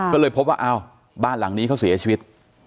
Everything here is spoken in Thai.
ก็เลยพบว่าอ้าวบ้านหลังนี้เขาเสียชีวิต